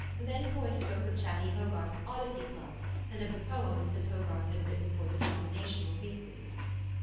Then Coy spoke of Chatty Hogarth's Odyssey Club, and of the poem Mrs. Hogarth had written for the Denom inational Weekly.